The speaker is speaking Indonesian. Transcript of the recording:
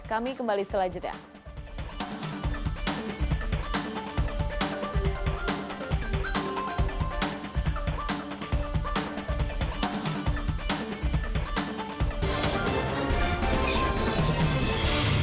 kami kembali setelah jadinya